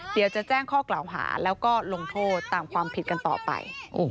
เดี๋ยวจะแจ้งข้อกล่าวหาแล้วก็ลงโทษตามความผิดกันต่อไป